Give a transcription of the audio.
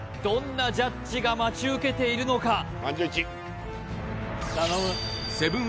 どんなジャッジが待ち受けているのか